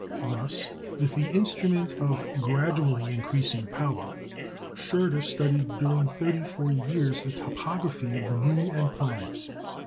Thus, with instruments of gradually increasing power, Schröter studied during thirty four years the topography of the moon and planets.